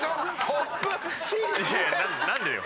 何でよ。